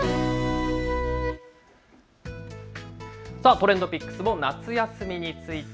ＴｒｅｎｄＰｉｃｋｓも夏休みについて。